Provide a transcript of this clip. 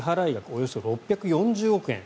およそ６４０億円。